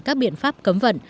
các biện pháp cấm vận